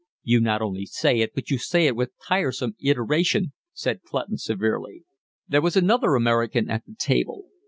"You not only say it, but you say it with tiresome iteration," said Clutton severely. There was another American at the table.